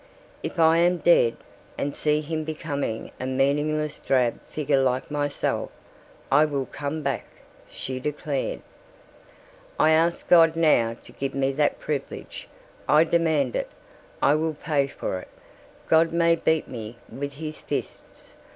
"If I am dead and see him becoming a meaningless drab figure like myself, I will come back," she declared. "I ask God now to give me that privilege. I demand it. I will pay for it. God may beat me with his fists.